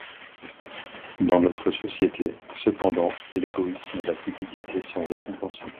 Dans notre société, cependant, l'égoïsme et la cupidité sont récompensés.